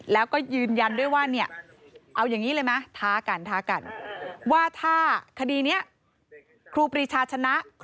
แล้วก็ยืนยันด้วยว่าเนี่ยเอาอย่างนี้เลยไหมท้ากันท้ากันว่าถ้าคดีนี้ครูปรีชาชนะ